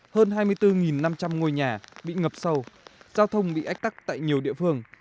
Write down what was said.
hơn hai mươi bốn năm trăm linh ngôi nhà bị ngập sâu giao thông bị ách tắc tại nhiều địa phương